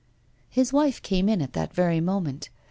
His wife came in at that very moment.